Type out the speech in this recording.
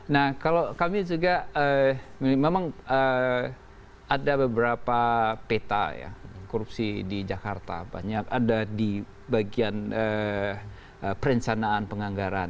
nah kalau kami juga memang ada beberapa peta ya korupsi di jakarta banyak ada di bagian perencanaan penganggaran